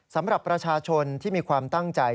สำหรับประชาชนที่มีความตั้งใจ